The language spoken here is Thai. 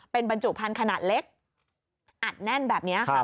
เป็นบรรจุพันธุ์ขนาดเล็กอัดแน่นแบบนี้ค่ะ